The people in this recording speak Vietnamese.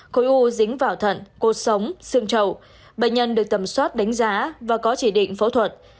khối u dính vào thận cột sống xương trầu bệnh nhân được tầm soát đánh giá và có chỉ định phẫu thuật